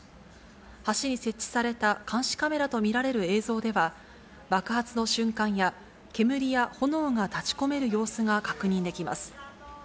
橋に設置された監視カメラと見られる映像では、爆発の瞬間や、煙や炎が立ちこめる様子が確認できます。